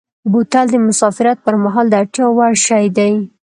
بوتل د مسافرت پر مهال د اړتیا وړ شی دی.